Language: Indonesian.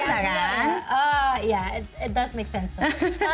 oh iya itu membuat sengaja